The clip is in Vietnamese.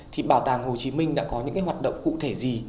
thì bảo tàng hồ chí minh đã có những hoạt động cụ thể gì